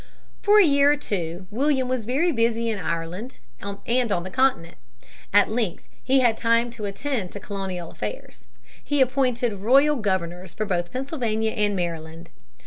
For a year or two William was very busy in Ireland and on the continent. At length he had time to attend to colonial affairs. He appointed royal governors for both Pennsylvania and Maryland.